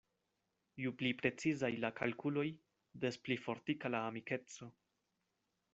Ju pli precizaj la kalkuloj, des pli fortika la amikeco.